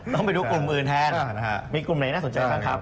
ต้องไปดูกลุ่มอื่นแทนมีกลุ่มไหนน่าสนใจบ้างครับ